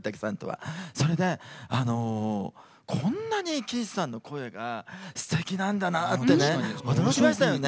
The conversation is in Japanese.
それで、こんなに貴一さんの声がすてきなんだなってね驚きましたよね。